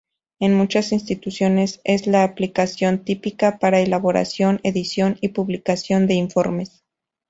En muchas instituciones es la aplicación típica para elaboración, edición y publicación de informes.